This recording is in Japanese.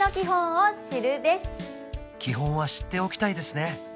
基本は知っておきたいですね